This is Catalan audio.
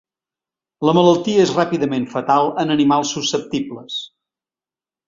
La malaltia és ràpidament fatal en animals susceptibles.